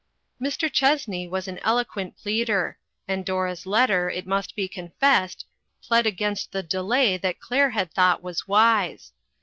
Mr. Chessney was an eloquent pleader ; and Dora's letter, it must be confessed, plead against the delay that Claire had thought was wise.